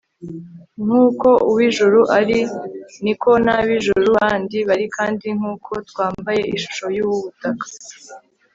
nkuko uw'ijuru ari, niko n'abijuru bandi bari kandi nkuko twambaye ishusho y'uw'ubutaka